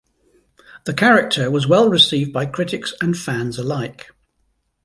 The character was well received by critics and fans alike.